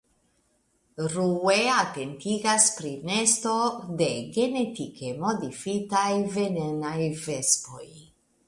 Rue atentigas pri nesto de genetike modifitaj venenaj vespoj.